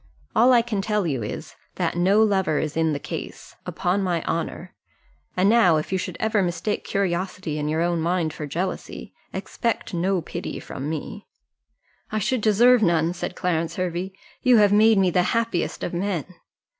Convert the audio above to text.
All I can tell you is, that no lover is in the case, upon my honour and now, if you should ever mistake curiosity in your own mind for jealousy, expect no pity from me." "I should deserve none," said Clarence Hervey; "you have made me the happiest of men."